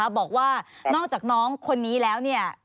วันก่อนบอกว่านอกจากน้องคนนี้แล้ว